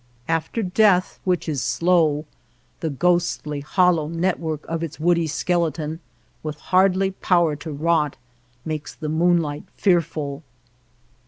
After death, which is slow, the ghostly hollow network of its woody skeleton, with hardly power to rot, makes the moonlight fearful.